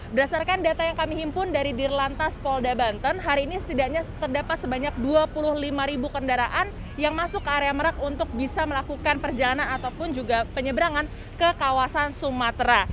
berdasarkan data yang kami himpun dari dirlantas polda banten hari ini setidaknya terdapat sebanyak dua puluh lima ribu kendaraan yang masuk ke area merak untuk bisa melakukan perjalanan ataupun juga penyeberangan ke kawasan sumatera